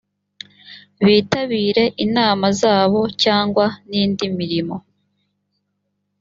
bitabire inama zabo cyangwa n indi mirimo